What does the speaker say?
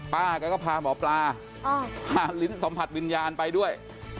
ป้าแกก็พาหมอปลาพาลิ้นสัมผัสวิญญาณไปด้วย